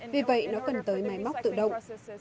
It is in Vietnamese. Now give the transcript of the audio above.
vì vậy nó cần tới máy móc tự động